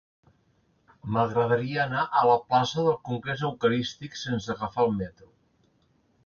M'agradaria anar a la plaça del Congrés Eucarístic sense agafar el metro.